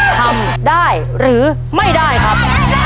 ทำได้หรือไม่ได้ครับ